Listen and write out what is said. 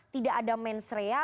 tidak ada mensrea